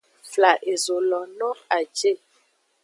Fla ezo lo no a je.